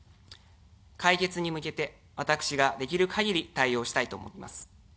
解決に向けて私ができる限り対応したいと思います。